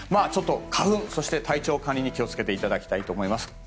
ちょっと花粉、そして体調管理に気を付けていただきたいと思います。